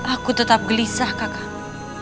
aku tetap gelisah kakak